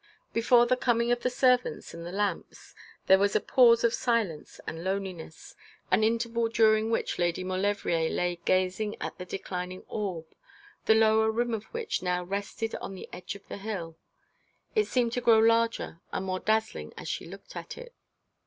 Before the coming of the servants and the lamps there was a pause of silence and loneliness, an interval during which Lady Maulevrier lay gazing at the declining orb, the lower rim of which now rested on the edge of the hill. It seemed to grow larger and more dazzling as she looked at it.